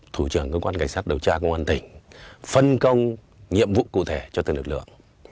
thủ trưởng cơ quan cảnh sát điều tra công an tỉnh phân công nhiệm vụ cụ thể cho từng lực lượng